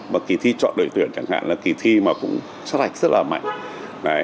mà kỳ thi chọn đội tuyển chẳng hạn là kỳ thi mà cũng sát đạch rất là mạnh